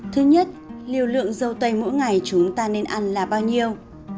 thứ nhất liều lượng dâu tây mỗi ngày chúng ta nên ăn là bao nhiêu